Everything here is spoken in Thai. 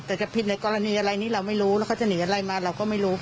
แต่ก็ผิดในกรณีอะไรนี้เราไม่รู้